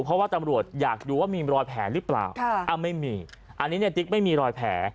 เพราะว่าตำรวจอยากดูว่ามีรอยแผลหรือเปล่าไม่มีอันนี้ในติ๊กไม่มีรอยแผล